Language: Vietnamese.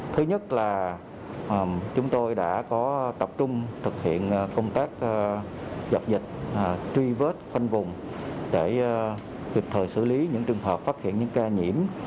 thứ nhất là chúng tôi đã có tập trung thực hiện công tác dập dịch truy vết khoanh vùng để kịp thời xử lý những trường hợp phát hiện những ca nhiễm